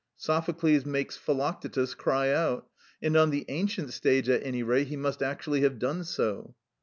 Sophocles makes Philoctetus cry out, and, on the ancient stage at any rate, he must actually have done so.